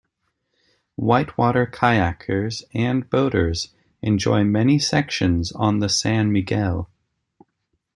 Whitewater kayakers and boaters enjoy many sections on the San Miguel.